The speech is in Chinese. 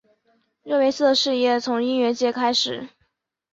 热维斯的事业从音乐界开始。